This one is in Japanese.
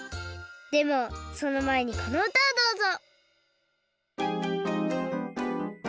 でもそのまえにこのうたをどうぞ！